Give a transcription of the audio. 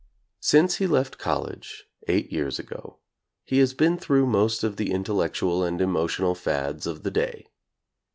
Since he left college eight years ago, he has been through most of the intellectual and emotional fads of the day.